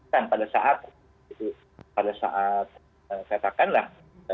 kan pada saat itu pada saat katakanlah